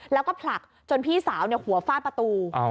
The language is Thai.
แล้วก็ผลักจนพี่สาวหัวฟาดประตู